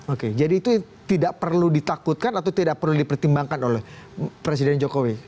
oke jadi itu tidak perlu ditakutkan atau tidak perlu dipertimbangkan oleh presiden jokowi